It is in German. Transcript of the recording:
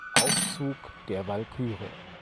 Aufzug der "Walküre".